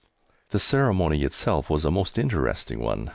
The ceremony itself was a most interesting one.